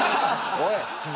おい！